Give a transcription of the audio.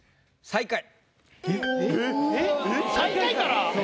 最下位から？